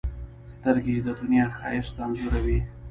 سترګې د دنیا ښایست انځوروي